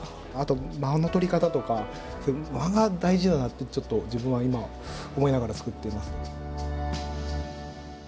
あと間の取り方とか間が大事だなって自分は今思いながら作っています。